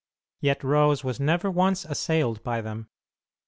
Yet Rose was never once assailed by them.